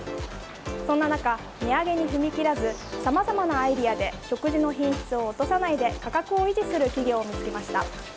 そんな中、値上げに踏み切らずさまざまなアイデアで食事の品質を落とさないで価格を維持する企業を見つけました。